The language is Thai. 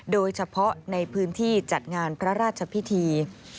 โดยเฉพาะในพื้นที่จัดงานพระราชพิธี